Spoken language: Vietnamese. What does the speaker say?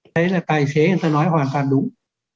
đấy là tài xế người ta nói hoàn toàn đúng